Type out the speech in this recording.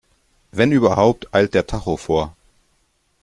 Wenn überhaupt, eilt der Tacho vor.